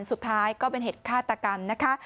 สุดท้ายก็เป็นเหตุฆาตกรรมนะคะ